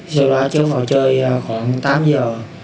sau đó cháu vào chơi khoảng tám giờ